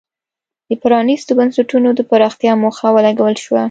د پرانیستو بنسټونو د پراختیا موخه ولګول شوه.